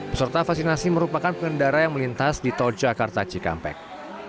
peserta vaksinasi merupakan pengendara yang melintas di tojakarta cikampek